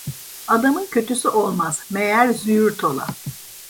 Adamın kötüsü olmaz, meğer züğürt ola.